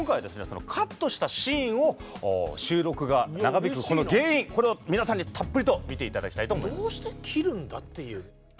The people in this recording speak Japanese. そのカットしたシーンを収録が長引くこの原因これを皆さんにたっぷりと見ていただきたいと思います。